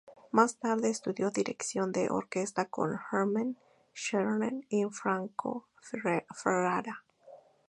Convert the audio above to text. Más tarde estudió dirección de orquesta con Hermann Scherchen y Franco Ferrara.